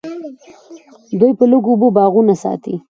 دوی په لږو اوبو باغونه ساتي.